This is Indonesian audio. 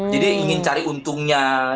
jadi ingin cari untungnya